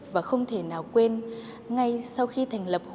và không thể nào quên ngay sau khi thành lập hội họa